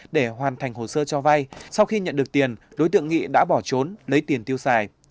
để hoàn thành hồ sơ cho vay sau khi nhận được tiền đối tượng nghị đã bỏ trốn lấy tiền tiêu xài